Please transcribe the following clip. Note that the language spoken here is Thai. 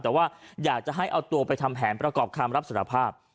แต่ว่าอยากจะให้เอาตัวไปทำแผนประกอบคำรับสารภาพ